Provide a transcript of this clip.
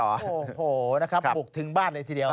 โอ้โหนะครับบุกถึงบ้านเลยทีเดียว